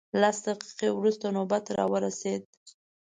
لس دقیقې وروسته نوبت راورسېد.